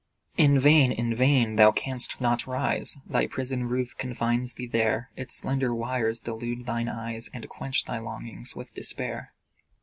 In vain in vain! Thou canst not rise: Thy prison roof confines thee there; Its slender wires delude thine eyes, And quench thy longings with despair.